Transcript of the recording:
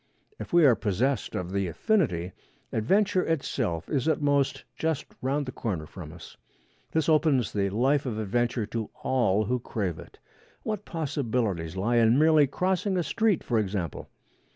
If we are possessed of the affinity, adventure itself is, at most, just round the corner from us. This opens the life of adventure to all who crave it. What possibilities lie in merely crossing a street, for example!